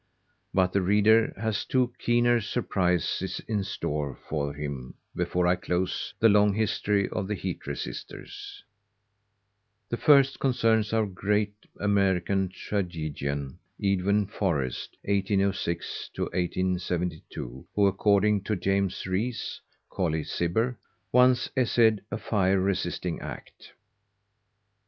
But the reader has two keener surprises in store for him before I close the long history of the heat resisters. The first concerns our great American tragedian Edwin Forrest (1806 1872) who, according to James Rees (Colley Cibber), once essayed a fire resisting act.